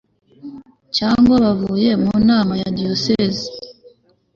cyangwa bavuye mu nama ya diyoseze